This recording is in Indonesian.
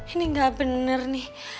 ini gak bener nih